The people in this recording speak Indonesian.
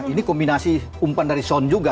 ini kombinasi umpan dari son juga